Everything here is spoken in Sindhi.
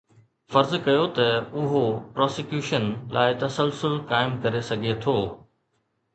فرض ڪيو ته اهو پراسيڪيوشن لاء تسلسل قائم ڪري سگهي ٿو